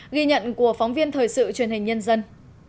ghi nhận của phóng viên thời sự truyền hình nhân dân